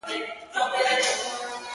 د تېر په څېر درته دود بيا دغه کلام دی پير,